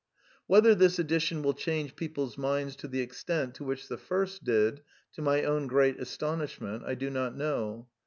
Whether this edition will change people's minds to the extent to which the first did (to my own great astonishment) I do not know.